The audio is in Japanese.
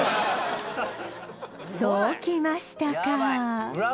そうきましたか！